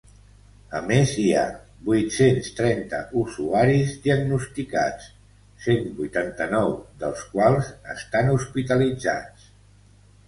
A més, hi ha vuit-cents trenta usuaris diagnosticats, cent vuitanta-nou dels quals estan hospitalitzats.